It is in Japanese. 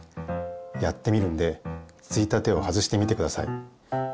やってみるんでついたてを外してみてください。